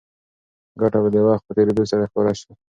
ګټه به د وخت په تېرېدو سره ښکاره شي.